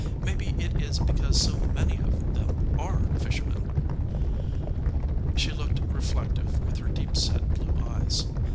"Maybe it is because so many of them are fishermen." She looked reflective with her deep set blue eyes.